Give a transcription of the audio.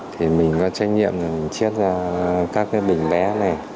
thì mình có trách nhiệm là mình chiết ra các cái bình bé này